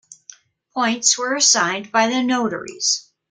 Points were assigned by the notaries.